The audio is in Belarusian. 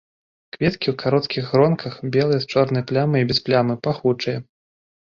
Кветкі ў кароткіх гронках, белыя з чорнай плямай і без плямы, пахучыя.